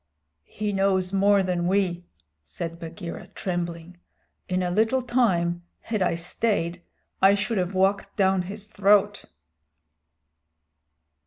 "He knows more than we," said Bagheera, trembling. "In a little time, had I stayed, I should have walked down his throat."